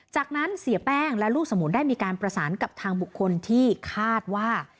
จากนั้นเสียแป้งและลูกสมุนได้มีการประสานกับทางบุคคลที่คาดว่า